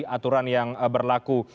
aturan yang berlaku